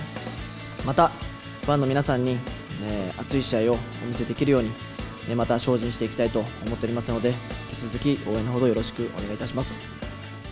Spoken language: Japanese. また、ファンの皆さんに熱い試合をお見せできるように、また精進していきたいと思っておりますので、引き続き応援のほどよろしくお願いいたします。